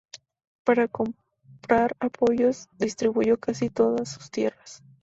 Para comprar apoyos, distribuyó casi todas sus tierras.